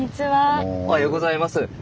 おはようございます。